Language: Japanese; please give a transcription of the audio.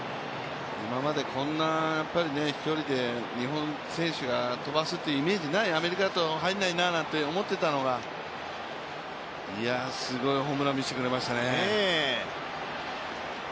今までこんな飛距離で日本選手が飛ばすっていうイメージがないアメリカだと入らないな、なんて思ってたのに、いや、すごいホームラン見せてくれましたね。